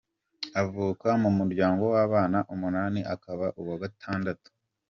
Avuka mu muryango w’abana umunani akaba uwa Gatandatu.